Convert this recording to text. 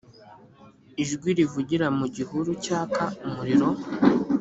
ijwi rivugira mu gihuru cyaka umuriro